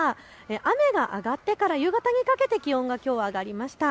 雨が上がってから夕方にかけて気温がきょうは上がりました。